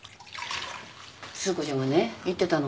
鈴子ちゃんがね言ってたの。